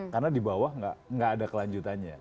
karena di bawah enggak ada kelanjutannya